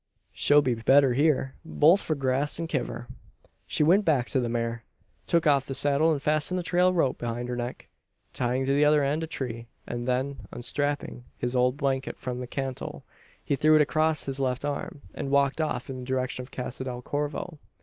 She'll be better hyur both for grass and kiver." He went back to the mare; took off the saddle; fastened the trail rope round her neck, tying the other end to a tree; and then, unstrapping his old blanket from the cantle, he threw it across his left arm, and walked off in the direction of Casa del Corvo.